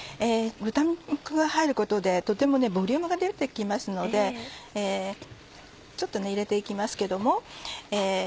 豚肉が入ることでとてもボリュームが出て来ますのでちょっと入れて行きますけども。